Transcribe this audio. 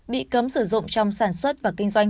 bị cấm sử dụng trong sản xuất và kinh doanh